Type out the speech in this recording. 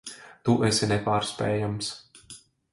Tu esi nepārspējams.